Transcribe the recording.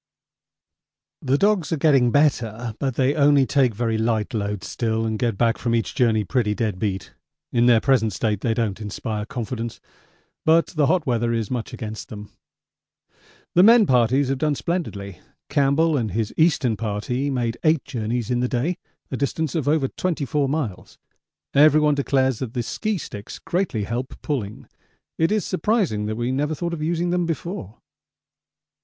The dogs are getting better, but they only take very light loads still and get back from each journey pretty dead beat. In their present state they don't inspire confidence, but the hot weather is much against them. The men parties have done splendidly. Campbell and his Eastern Party made eight journeys in the day, a distance over 24 miles. Everyone declares that the ski sticks greatly help pulling; it is surprising that we never thought of using them before.